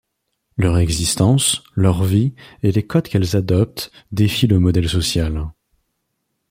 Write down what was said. Leur existence, leur vie et les codes qu'elles adoptent défient le modèle social.